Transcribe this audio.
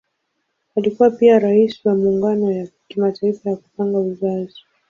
Alikuwa pia Rais wa Muungano ya Kimataifa ya Kupanga Uzazi.